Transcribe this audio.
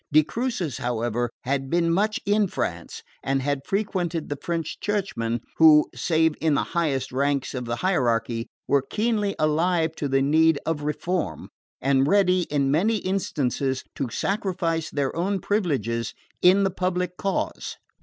De Crucis, however, had been much in France, and had frequented the French churchmen, who (save in the highest ranks of the hierarchy) were keenly alive to the need of reform, and ready, in many instances, to sacrifice their own privileges in the public cause.